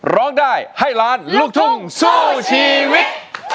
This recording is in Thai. ร้องได้ให้ล้านลูกทุ่งสู้ชีวิต